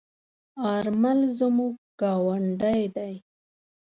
آرمل زموږ گاوندی دی.